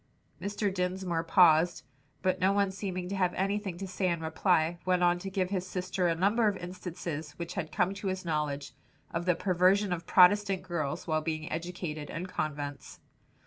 '" Mr. Dinsmore paused, but no one seeming to have anything to say in reply, went on to give his sister a number of instances which had come to his knowledge, of the perversion of Protestant girls while being educated in convents.